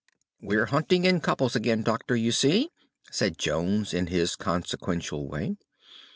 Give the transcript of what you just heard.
"We're hunting in couples again, Doctor, you see," said Jones in his consequential way.